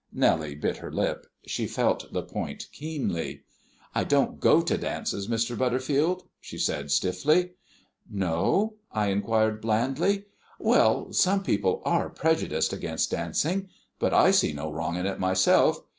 Nellie bit her lip; she felt the point keenly. "I don't go to dances, Mr. Butterfield," she said stiffly. "No?" I inquired blandly. "Well, some people are prejudiced against dancing. But I see no wrong in it myself.